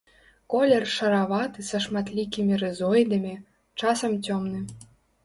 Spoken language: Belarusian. Колер шараваты са шматлікімі рызоідамі, часам цёмны.